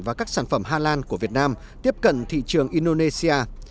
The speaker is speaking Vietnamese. và các sản phẩm hà lan của việt nam tiếp cận thị trường indonesia